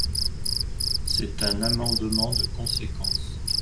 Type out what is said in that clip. C’est un amendement de conséquence.